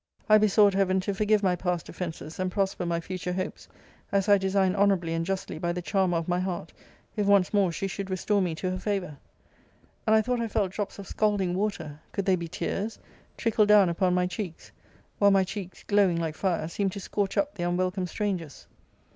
I besought Heaven to forgive my past offences, and prosper my future hopes, as I designed honourably and justly by the charmer of my heart, if once more she should restore me to her favour. And I thought I felt drops of scalding water [could they be tears?] trickle down upon my cheeks; while my cheeks, glowing like fire, seemed to scorch up the unwelcome strangers.